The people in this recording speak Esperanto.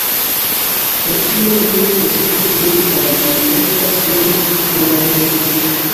Pro tio oni persekutis ĝin kaj ĝi estas nun endanĝerita.